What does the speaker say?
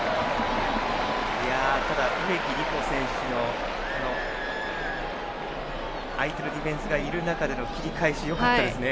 ただ、植木理子選手の相手ディフェンスがいる中での切り返し、よかったですね。